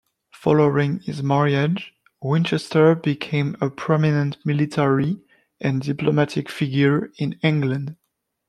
Following his marriage, Winchester became a prominent military and diplomatic figure in England.